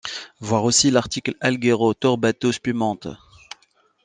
Voir aussi l'article Alghero Torbato spumante.